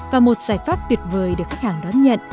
và một giải pháp tuyệt vời được khách hàng đón nhận